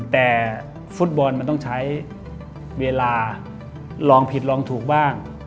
แต่ฟุตบอลมันต้องใช้เวลาลองผิดลองถูกบ้าง